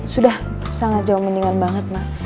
sudah sangat jauh mendingan banget